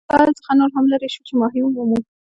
له ساحل څخه نور هم لیري شوو چې ماهي ومومو.